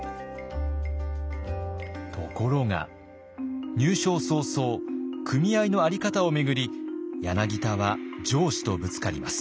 ところが入省早々組合の在り方を巡り柳田は上司とぶつかります。